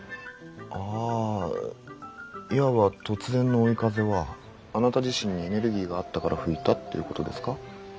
ああいわば突然の追い風はあなた自身にエネルギーがあったから吹いたっていうことですか？